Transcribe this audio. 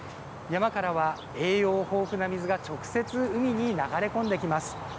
山からは、栄養豊富な水が直接海に流れ込んできます。